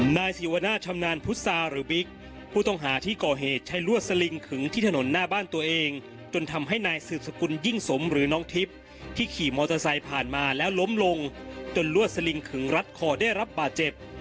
นายสิวนาชำนาญพุษาหรือบิ๊กผู้ต้องหาที่ก่อเหตุใช้ลวดสลิงขึงที่ถนนหน้าบ้านตัวเองจนทำให้นายสืบสกุลยิ่งสมหรือน้องทิพย์ที่ขี่มอเตอร์ไซค์ผ่านมาแล้วล้มลงจนลวดสลิงขึงรัดคอได้รับบาดเจ็บ